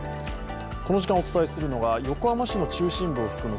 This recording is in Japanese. この時間お伝えするのが横浜市の中心部を含む